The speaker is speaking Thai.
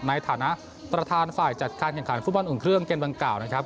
ในฐานะประธานฝ่ายจัดข้างเกี่ยวกับฟุตบอลอุ่นเครื่องเกณฑ์วังกล่าวนะครับ